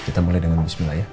kita mulai dengan bismillah ya